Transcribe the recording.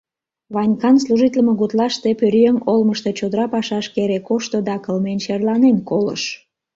Ванькан служитлыме гутлаште пӧръеҥ олмышто чодыра пашашке эре кошто да кылмен черланен колыш.